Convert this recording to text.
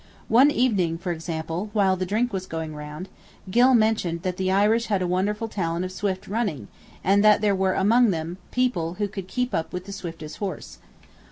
One evening, for example, while the drink was going round, Gylle mentioned that the Irish had a wonderful talent of swift running and that there were among them people who could keep up with the swiftest horse.